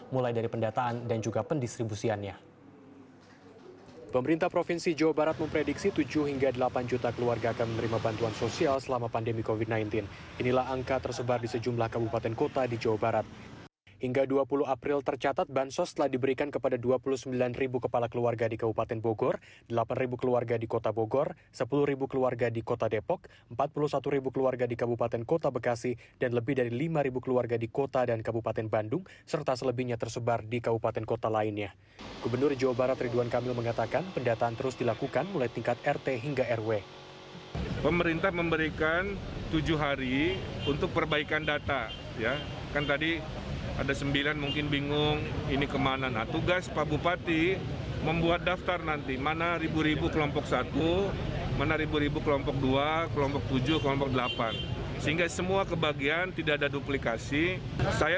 mulai dari pendataan dan juga pendistribusiannya